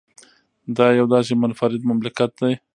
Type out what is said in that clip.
دا یو داسې منفرده مملکت دی